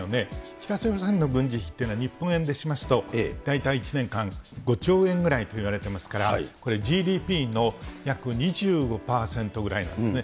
北朝鮮の軍事費というのは、日本円でしますと、大体１年間５兆円ぐらいといわれてますから、これ、ＧＤＰの約２５％ぐらいなんですね。